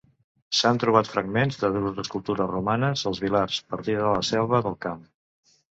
S'han trobat fragments de dues escultures romanes als Vilars, partida de la Selva del Camp.